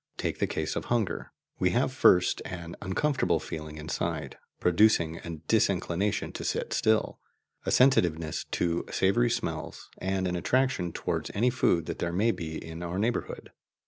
Take the case of hunger: we have first an uncomfortable feeling inside, producing a disinclination to sit still, a sensitiveness to savoury smells, and an attraction towards any food that there may be in our neighbourhood.